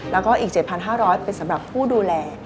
แล้วก็อีก๗๕๐๐เป็นสำหรับผู้ดูแล